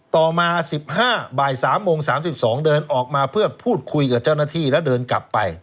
ต่อมา๑๕บ่าย๓โมง๓๒เดินออกมาเพื่อพูดคุยกับเจ้าหน้าที่แล้วเดินกลับไป